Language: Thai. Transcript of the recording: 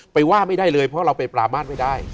ว่าไม่ได้เลยเพราะเราไปปรามาทไม่ได้